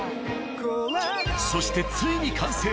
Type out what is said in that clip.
そしてついに完成。